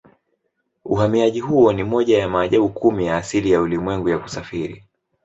Uhamiaji huo ni moja ya maajabu kumi ya asili ya ulimwengu ya kusafiri.